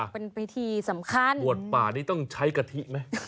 เป็นพิธีสำคัญบวชป่านี้ต้องใช้กะทิไหม